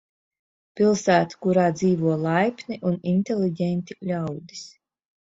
Pilsēta, kurā dzīvo laipni un inteliģenti ļaudis.